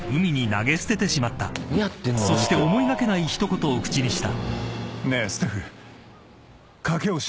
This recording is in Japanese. ［そして思いがけない一言を口にした］